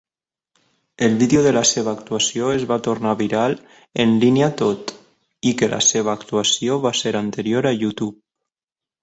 El vídeo de la seva actuació es va tornar viral en línia tot i que la seva actuació va ser anterior a YouTube.